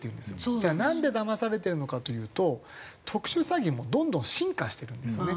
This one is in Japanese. じゃあなんでだまされてるのかというと特殊詐欺もどんどん進化してるんですよね。